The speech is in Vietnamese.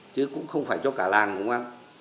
chứ cũng không phải cho cả làng cũng không ăn